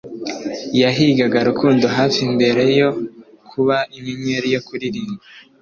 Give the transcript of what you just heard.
Yahigaga Rukundo hafi mbere yo kuba inyenyeri yo kuririmba